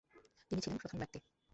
তিনি ছিলেন প্রথম ব্যক্তি।